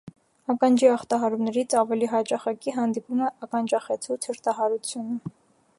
Ականջի ախտահարումներից ավելի հաճախակի հանդիպում է ականջախեցու ցրտահարությունը։